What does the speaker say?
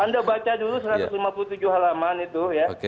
anda baca dulu satu ratus lima puluh tujuh halaman itu ya